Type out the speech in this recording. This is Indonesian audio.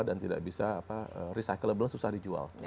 dan tidak bisa recyclable susah dijual